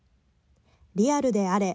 リアルであれ。